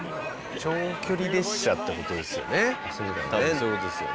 長距離列車って事ですよね。